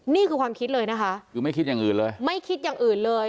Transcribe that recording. นี่คือความคิดเลยนะคะคือไม่คิดอย่างอื่นเลยไม่คิดอย่างอื่นเลย